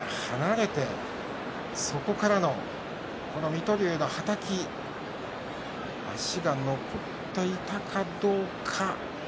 意を決して隆の勝が動いて離れてそこからの水戸龍のはたき足が残っていたかどうか。